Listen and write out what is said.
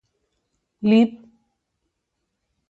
L'Iv